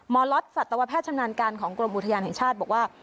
ล็อตสัตวแพทย์ชำนาญการของกรมอุทยานแห่งชาติบอกว่า